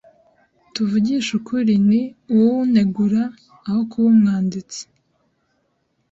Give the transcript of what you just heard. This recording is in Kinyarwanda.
Tuvugishije ukuri, ni uwunegura aho kuba umwanditsi.